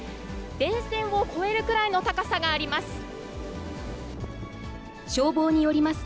電線を越えるくらいの高さがあります。